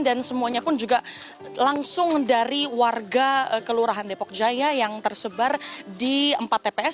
dan semuanya pun juga langsung dari warga kelurahan depok jaya yang tersebar di empat tps